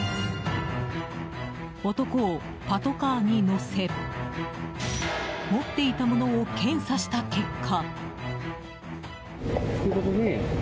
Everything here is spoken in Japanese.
男をパトカーに乗せ持っていたものを検査した結果。